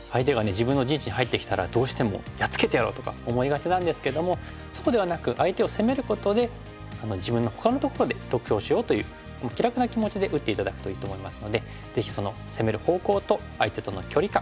自分の陣地に入ってきたらどうしてもやっつけてやろうとか思いがちなんですけどもそうではなく相手を攻めることで自分のほかのところで得をしようという気楽な気持ちで打って頂くといいと思いますのでぜひその攻める方向と相手との距離感